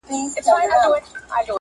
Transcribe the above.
چې دا ماشوم وباسئ